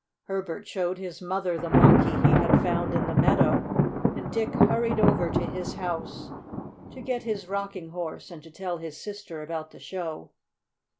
Herbert showed his mother the Monkey he had found in the meadow, and Dick hurried over to his house to get his Rocking Horse, and to tell his sister about the show.